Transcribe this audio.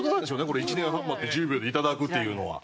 これ「１年半待って１０秒で頂く」っていうのは。